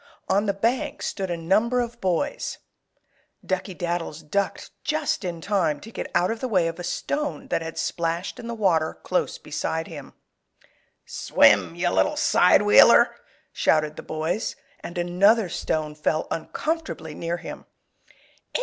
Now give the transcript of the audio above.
On the bank stood a number of boys. Duckey Daddles ducked just in time to get out of the way of a stone that splashed in the water close beside him. "Swim, you little side wheeler!" shouted the boys, and another stone fell uncomfortably near him.